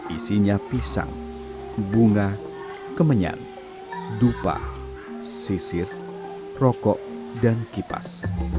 isinya pisang bunga kemenyan dupa sisir rokok dan kipas